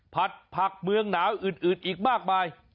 ผัดผักเมืองหนาวอื่นอีกมากมาย